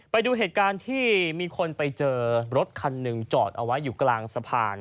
ไปดูเหตุการณ์ที่มีคนไปเจอรถคันหนึ่งจอดเอาไว้อยู่กลางสะพาน